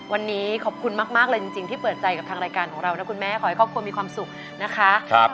วันนี้ขอบคุณมากเลยจริงที่เปิดใจกับทางรายการของเรานะคุณแม่ขอให้ครอบครัวมีความสุขนะคะ